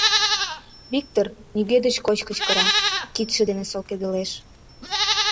— Виктыр нигӧ деч коч кычкыра, кидше дене солкедылеш.